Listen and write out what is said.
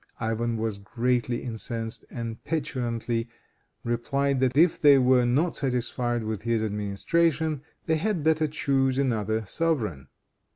Ivan was greatly incensed, and petulantly replied that if they were not satisfied with his administration they had better choose another sovereign.